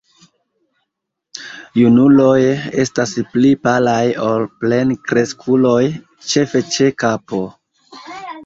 Junuloj estas pli palaj ol plenkreskuloj, ĉefe ĉe kapo.